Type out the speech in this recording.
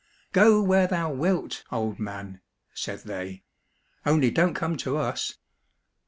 " Go where thou wilt, old man," said they, " only don't come to us."